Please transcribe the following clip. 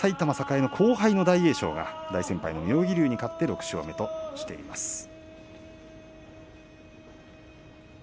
埼玉栄の後輩の大栄翔が大先輩の妙義龍に勝って６勝目としています。